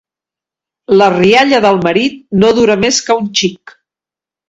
La rialla del marit no dura més que un xic.